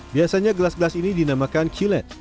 biasanya gelas gelas ini dinamakan kilat